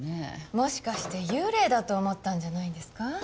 もしかして幽霊だと思ったんじゃないですか。